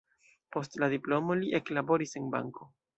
Post la diplomo li eklaboris en banko.